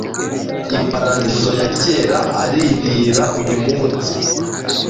Iparadizo ya kera aririra uyumunsi